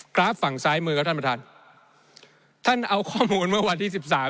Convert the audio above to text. ราฟฝั่งซ้ายมือครับท่านประธานท่านเอาข้อมูลเมื่อวันที่สิบสาม